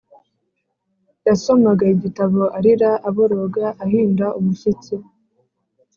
yasomaga igitabo arira aboroga, ahinda umushyitsi,